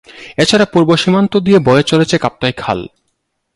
এছাড়া পূর্ব সীমান্ত দিয়ে বয়ে চলেছে কাপ্তাই খাল।